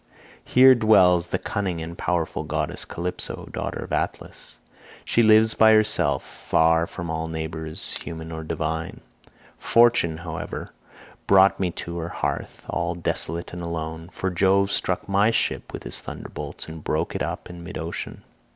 Here dwells the cunning and powerful goddess Calypso, daughter of Atlas. She lives by herself far from all neighbours human or divine. Fortune, however, brought me to her hearth all desolate and alone, for Jove struck my ship with his thunderbolts, and broke it up in mid ocean.